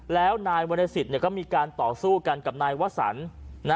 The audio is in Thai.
แล้วนายวรสิทธิ์ก็มีการต่อสู้กันกับนายวสัน